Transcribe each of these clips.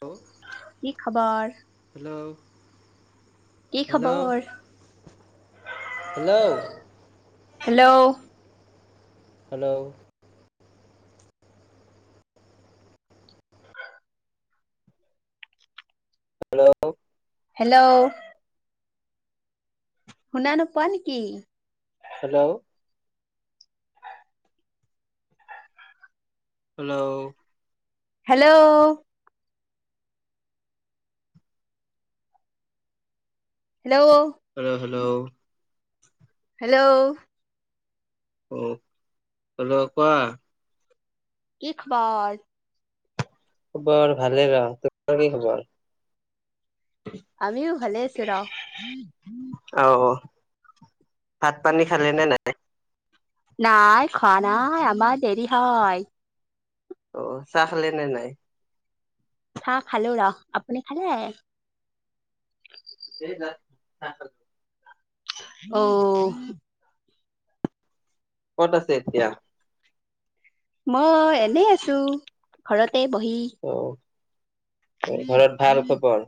Hello, কি খবৰ? Hello. কি হেল্ল', খবৰ? Hello. Hello. Hello. Hello hello. শুনা নোপোৱা নেকি? Hello. Hello. Hello. Hello. Hello hello. Hello. আহ হেল্ল' কোৱা। কি খবৰ? খবৰ ভালে ৰ তোমাৰ কি খবৰ? আমিও ভালে আছো ৰহ। অ ভাত পানী খালালে নে নাই? নাই খোৱা নাই আমাৰ দেৰি হয়। অ'চাহ খালে নাই? চাহ খালো আৰু আপুনি খালে? [unintelligible] অ'। ক'ত আছে এতিয়া? মই এনেই আছো ঘৰত। তে বহি অ ঘৰত ভাল খবৰ?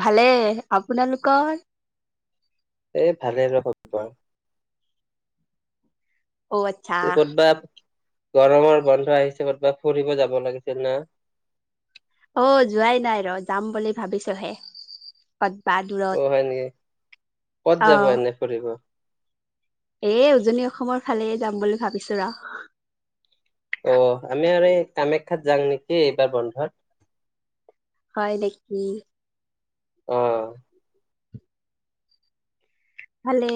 ভালে আপোনালোকৰ? এ ভালেই লগ [unintelligible] অ' আচ্ছা। ক'তবা গৰমৰ বন্ধ আহিছে ক'তবা? ফুৰিব যাব লাগিছিল না। অ' যোৱাই নাই ৰ যাম বুলি ভাবিছোহে পত অ' হয় নেকি কত যাব এনে ফুৰিব? এ উজনি অসমৰ ফালে যাম বুলি ভাবিছো ৰা। অ' আমি আৰু এই কামাখ্যাত যাম নেকি এইবাৰ বন্ধত। হয় নেকী? অ'। ভালে।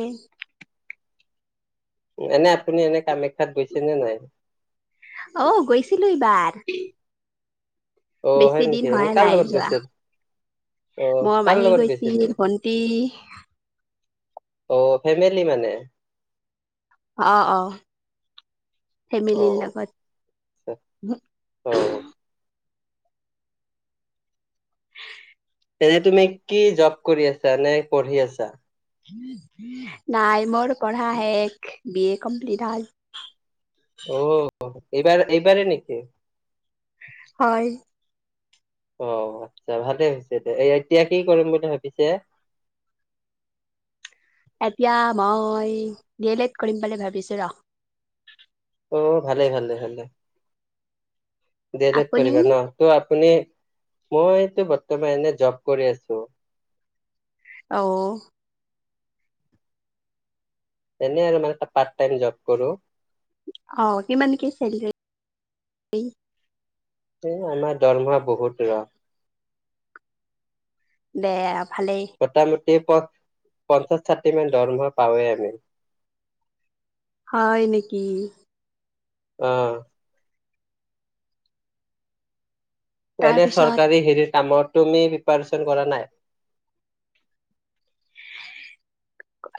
এনে আপুনি এনে কামে অ গৈছিলো ইবাৰ। স অ হয় বেছি দিন নেকি এনে হোৱাই কাৰ নাই লগত যোৱা গৈছিল? অ মোৰ কাৰ মাহী লগত গৈছিলে? গৈছিল ভণ্টি অ ফেমিলি মানে? অ অ অ ফেমিলিৰ আচ্ছা। অ লগত এনে তুমি কি জব কৰি আছা নে পঢ়ি আছা? নাই মোৰ পঢ়া হে এক বি এ কমপ্লিট হল। অ এইবাৰ এইবাৰেই নেকি? হয় অ আচ্ছা ভালে হৈছে দে এতিয়া কি কৰিম বুলি ভাবিছে? এতিয়া মই দি এল এদ কৰিম বুলি ভাবিছো ৰ। অ ভালে ভালে ভালে। ডি এল লেট আপুনি কৰিবা ন ত' আপুনি মইটো বৰ্তমান এনে জব কৰি আছো। অহ এনেই আৰু মানে পাৰ্ট টাইম জব কৰো। অ কিমান কে ছেলাৰি সেয়ে আমাৰ দৰমা বহুত ৰ। বেয়া ভালেই সেই পদ‌ পঞ্চাছ ষাঠি মান দৰমহা পাওঁৱেই আমি। হয় নেকি। আহ এনে তাৰপিছত চৰকাৰী হেৰিৰ কামত তুমি প্ৰিপাৰচন কৰা নাই?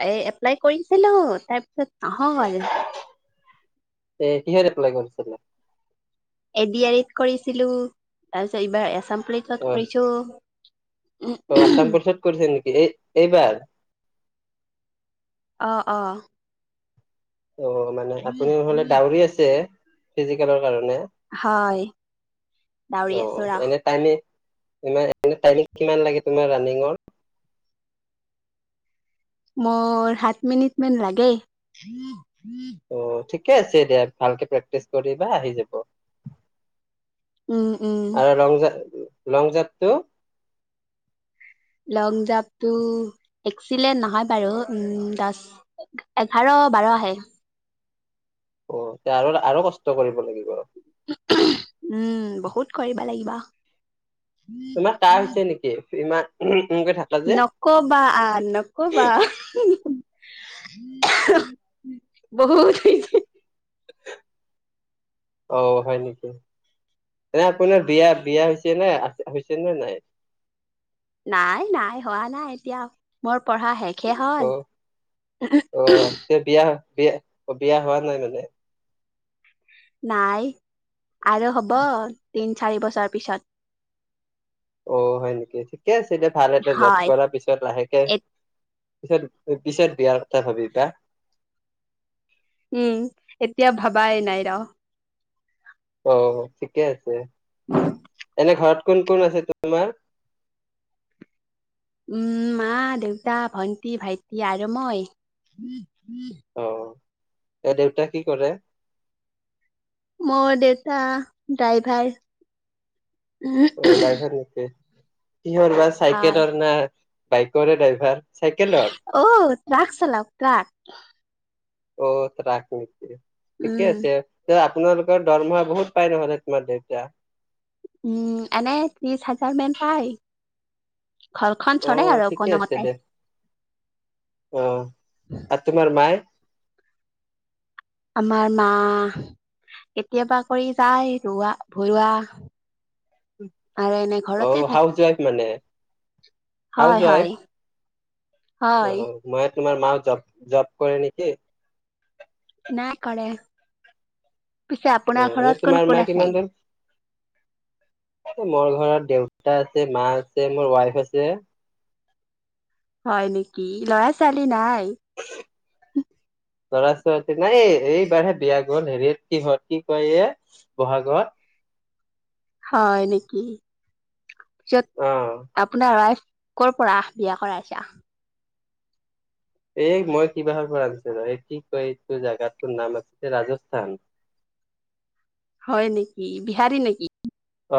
এ এপ্লাই কৰিচিলো তাৰপিছত নহ'ল। এ কিহত এপ্লাই কৰিছিলা? এ দি আৰ ইত কৰিছিলো তাৰপিছত এইবাৰ আছাম পুলিচ ত অ কৰিছোঁ। অ আছাম পুলিচত কৰিছা নেকি? এই এইবাৰ? আহ অ অ মানে আপুনি নহলে ডাউৰি আছে? ফিজিকেলৰ কাৰণে। হয় দাউৰি অ আছো ৰস। এনে টাইমি এনে টাইমিং কিমান লাগে তোমাৰ ৰানিঙৰ? মোৰ সাত মিনিট মান লাগে। অ ঠিক ঠিকে আছে দিয়া ভালকে প্ৰেক্টিচ কৰিবা আহি যাব। উম উম আৰু লং জাপ লং জাপটো? লং জাম্পটো এক্সিলেণ্ট নহয় বাৰু উম দস এঘাৰ বাৰ আহে। অ এয়া আৰু আৰু কষ্ট কৰিব লাগিব। উম বহুত কৰিব লাগিব। তোমাৰ কাহ হৈছে নেকি? ইমান উমকে থাকা যে নকবা নকবা। বহুত হৈছে। [unintelligible] অহ হয় নেকি? এনে আপোনাৰ বিয়া বিয়া হৈছে নাই আছে হৈছে নে নাই? নাই নাই হোৱা নাই এতিয়া মোৰ পঢ়া শেষহে অ অ হল। এতিয়া বিয়া বিয়া অ বিয়া হোৱা নাই মানে? নাই আৰু হব তিন চাৰি বছৰ পিছত। অ হয় নেকি। থিকে আছে দিয়া ভাল এটা জব হয়, কৰাৰ পিছত লাহেকে এ পিছত বিয়াৰ কথা ভাবিবা। উম এতিয়া ভাবাই নাই ৰ। অ ঠিকে আছে। এনে ঘৰত কোন কোন আছে তোমাৰ? উম মা, দেউতা, ভন্টি, ভাইটি আৰু মই। অ এই দেউতাই কি কৰে? মোৰ দেউতা ড্ৰাইভাৰ। উম, অ দাইভাৰ নেকি। কিহৰ বা হয়। চাইকেলৰ না বাইকৰে ড্ৰাইভাৰ? চাইকেলৰ অ ট্ৰাক চালক ট্ৰাক। অ ৰাখো। ঠিকে উম, আছে, আপোনালোকৰ দৰমহা বহুত পাই নহ'লে তোমাৰ দেউতা। উম, এনে ত্ৰিশ হাজাৰ মান পায়। ঘৰখন চলে আৰু কোনোমতে। অঁ। আৰু তোমাৰ মায়ে? আমাৰ মা কেতিয়াবা কৰি যায় ৰোৱাা ভৰুৱা [inaudible] আৰু এনে ঘৰতে অ' থাকে। হাউচ ৱাইফ মানে। হাউচ হয় ৱাইফ হয়। হয়, অ' মই তোমাৰ মা জব, জব কৰে নেকি? [unintelligible] কৰে পিছে অ' আপোনাৰ এনে ঘৰত কোন তোমাৰ - মা কোন আছে? কিমান দূৰ মোৰ ঘৰত দেউতা আছে, মা আছে, মোৰ ৱাইফ আছে। হয় নেকি ল'ৰা ছোৱালী নাই? ল'ৰা ছোৱালী নাই, এইবাৰহে বিয়া গল হেৰিয়ত কিহত কি কয় এয়া বহাগত। হয় নেকি? পিছত অ' আপোনাৰ ৱাইফ কৰ পৰা বিয়া কৰাইছা? এই মই কিবাৰ পৰা আনিছিলো, এই কি কয় এইটো জেগাটোৰ নাম আছিল ৰাজস্থান। হয় নেকি বিহাৰী নেকি? অ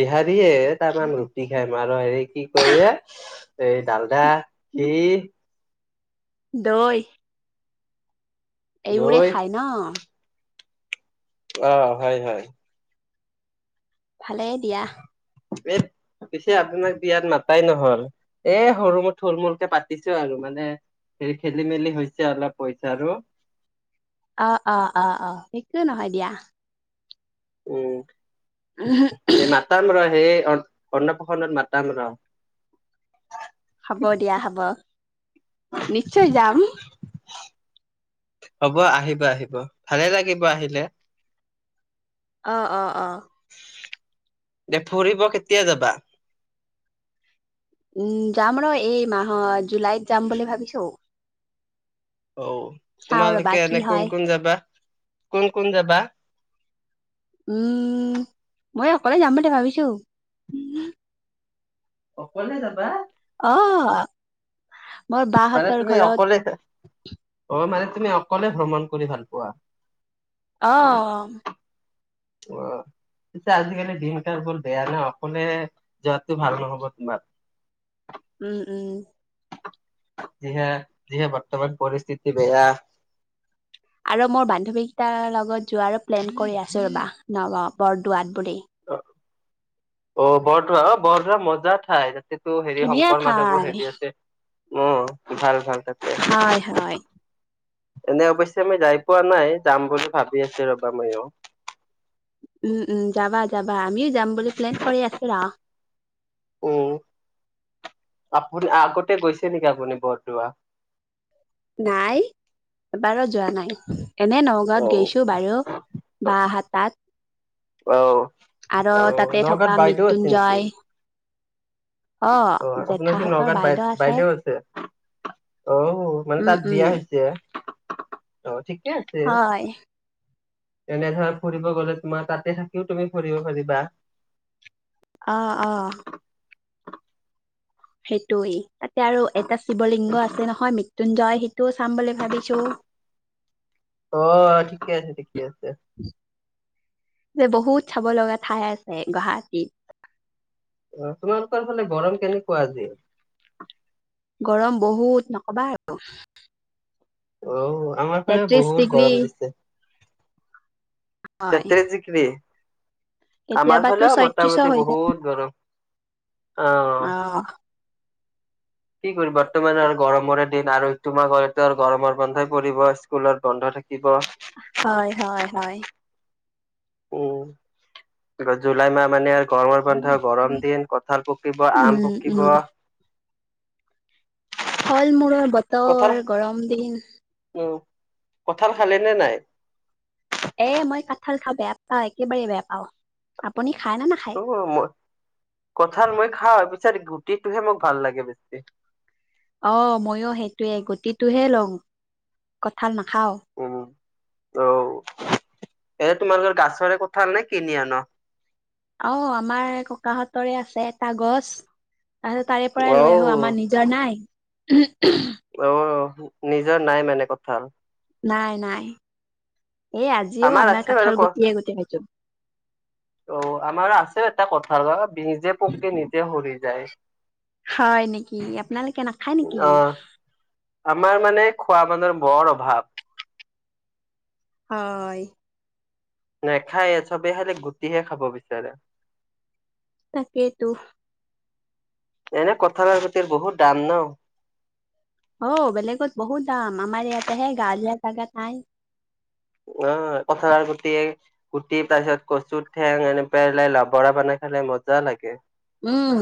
বিহাৰী কিয়ে তামাম ৰুটি খাঁই মাৰুৱাৰীয়ে। কি কয় এই ডালদা, ঘিঁ দৈ এই বোৰেই দৈ খায় ন। অ, হয় হয়। ভালেই দিয়া। [inaudible] [unintelligible] পিছে আপোনাক বিয়াত মাত এই মাতাই নহল, এ সৰু মোৰ থুল মূলকে পাতিছো আৰু। মানে হেৰি খেলি মেলি হৈছে অলপ পইচাৰু অ অ অ অ, একোৱে নহয় দিয়া। উম। এ মাতা লোৱা সেই অন্নপ্ৰশন্নত মাতাম ৰ,, হ'ব দিয়া হ'ব নিশ্চয় যাম। হ'ব আহিব আহিব ভালে লাগিব আহিলে। অঁ অঁ। দে ফুৰিব কেতিয়া যাবা? উম যাম আৰু এই মাহৰ জুলাইত যাম বুলি ভাবিছোঁ। অ তোমালোকে এনে কোন হয় কোন যাবা। কোন কোন যাবা উম মই অকলে যাম বুলি ভাবিছোঁ অকলে যাবা অ মোৰ মানে বাহঁতৰ তুমি ঘৰত অকলেই অ মানে তুমি অকলে ভ্ৰমণ কৰি ভাল পোৱা? অ অ পিছে আজিকালি দিন কাল বৰ বেয়া ন, অকলে যোৱাটো ভাল নহ'ব তোমাৰ। উম উম যিহে, যিহে বৰ্তমান পৰিস্থিতি বেয়া আৰু মোৰ বান্ধৱীকেটাৰ লগত যোৱাৰ প্লেন কৰি আছো ৰবা নগাওঁ বৰদোৱাত। বুলি অ' বৰদোৱা বৰদোৱা মজা ঠাইত। সেটো হেৰি ধুনীয়া শংকৰ ঠাই মাধৱৰ হেৰি আছে। উম, ভাল ভাল। তাতে হয় হয়। এনে অৱশ্যে মই যাই পোৱা নাই যাম বুলি ভাবি আছো ৰবা ময়ো। উম উম যাবা যাবা আমিও যাম বুলি প্লেন কৰি আছো আৰু অ, আপুনি আগতে গৈছে, গৈছে নেকি আপুনি বৰদোৱা, নাই এবাৰো যোৱা নাই। এনে অ নগাঁৱত গেইছো বাৰু বা হাৰ তাত। অ, আৰ অ তাতে নগাঁৱত থকা বাইদেউ আছে নেকি? মৃত্যুঞ্জয়। অ আপোনাৰ কি নগাঁওত বাই বাইদেউ আছে। অ মানে উম তাত উম বিয়া হৈছে। অ ঠিকে আছে। হয় তেনেধৰা ফুৰিব গলে তোমাৰ তাতে থাকিও তুমি ফুৰিব পাৰিবা। অ অ, সেইটোৱেই। এতিয়া আৰু এটা শিৱলিংগ আছে নহয় মৃ ত্যুঞ্জয় সেই অ' ঠিকে আছে, ঠিকে আছে। যে বহুত চাব লগা ঠাই আছে গুৱাহাটীত। অ' তোমালোকৰ ফালে গৰম কেনেকুৱা আজি? গৰম বহুত, নকবা আৰু। অ। আমাৰ ফালে তেত্ৰিশ বহুত ডিগ্ৰী গৰম দি'ছে। হয় তেত্ৰিশ ডিগ্ৰী। আমাৰ কেতিয়াবাতো ফালেও ছয়ত্ৰিশো মোটামুটি হৈ যায় বহুত গৰম। অ'। কি কৰি বৰ্তমান আৰু গৰমৰে দিন‌। আৰু ইটো মাহত আৰু গৰমৰ বন্ধই পৰিব, স্কুলত বন্ধ থাকিব। হয় হয় হয়। উম, জুলাই মাহ মানে, কৰ্মৰ বন্ধ, গৰম দিন, কঁঠাল পকিব, আম উম পকিব। উম ফল মোৰৰ কঁঠাল বতৰ, গৰম দিন। উম কঁঠাল খালে নে নাই? এ, মই কাঠাল খাব বেয়া পাওঁ, একেবাৰে বেয়া পাও, আপুনি? খায় নে নাখায়? অ, মই কঠাল মই খাও, বিচাৰি গুতিটোহে, মোক ভাল লাগে বেছিকে। অ, মইো সেইটোৱে গুটিটোহে লও, কঁঠাল না উম। অ, এ তোমালোকৰ গাছৰে কঁঠাল নে, কিনি অনা? অ, আমাৰ ককাহঁতৰে আছে এটা গছ। তাৰিছত তাৰে পৰাই লৈ আহো, অ', আমাৰ নিজৰ নাই। [inaudible] অ, নিজৰ নাই মানে কঁঠাল। নাই, নাই। এ, আজিও আমাৰ আছে বাৰু কঁঠাল ক গুটি এ, গোটেই কেটো অ, আমাৰ আছে এটা কঁঠালট নিজে পকে, নিজে সৰি যায়। হয় নেকি আপোনালোকে নাখায় নেকি? অ, আমাৰ মানে খোৱা মানুহৰ বৰ অভাৱ। [unintelligible] হয়। নাখায় ছবে খালী গুটিহে, খাব বিচাৰে। তাকেইেতো। এনে কঁঠালৰ গুটিৰ বহুত দাম ন। অ, বেলেগত বহুত দাম। আমাৰ ইয়াতে হে গাৱঁলীয়া জাগাত নাই। অ, কঁঠালৰ গুটি গুটি, তাৰ পিছত কচুৰ ঠেং, এনেকুৱালাই লভৰা বনাই খালে মজা লাগে। উম,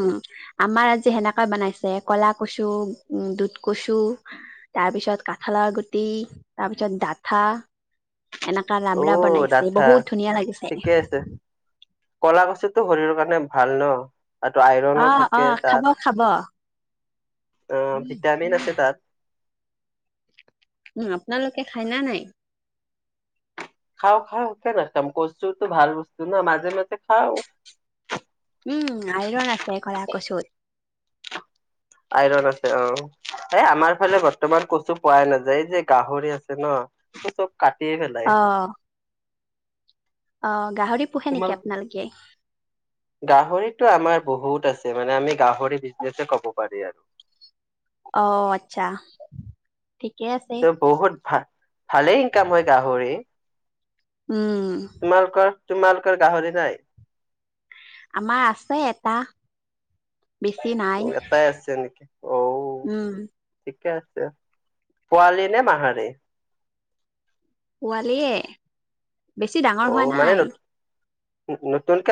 আমাৰ আজি সেনেকৈ বনাইছে কলা কচু, দুধ কচু, তাৰপিছত কাঠালৰ গুটি, তাৰপিছত ডাঠা। এনেকা অ, লাবৰা বনাইছে ডাঠা বহুত ধুনীয়া লাগিছে ঠিকে আছে, কলা কচুটো শৰীৰৰ কাৰণে ভাল ন। আৰু আইৰনো অ, থাকে অ, খাব, তাত খাব। অ, ভিটামিন আছে তাত। উম, আপোনালোকে খাই না নাই। খাওঁ, খাওঁ কিয় নাখাওঁ। দম কচুতো ভাল বস্তু নহ মাজে, মাজ খাওঁ। উম, আইৰণ আছে কলা কচুত। আইৰন আছে অ' ক'লা কচুত। আমাৰ এই আমাৰ ফালে বৰ্তমান কচু পোৱাই নাযায়। এই যে গাহৰি আছে ন। কাটিয়ে পেলাই। অহ। গাহৰি পোহে নেকি আপোনালোকে। গাহৰিতটো আমাৰ বহুত আছে। মানে আমি গাহৰি বিজনেছে ক'ব পাৰি আৰু। অ' আচ্ছা। ঠিকে আছে অহ বহুত ভাল। ভালে ইনকাম হয় গাহৰিৰ। উম তোমালোকৰ কিমান। কিয় গাহৰি নাই। আমাৰ আছে এটা। বেছি নাই এটাই আছে নেকি অঔ উম থিকে আছে। পোৱালি নে মাহাৰি, পোৱালিয়ে। বেছি ডাঙৰ হোৱা নাই। নতুন কে,